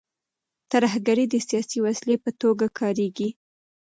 ترهګري د سیاسي وسیلې په توګه کارېږي.